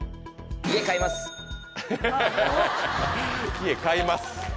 「家買います」。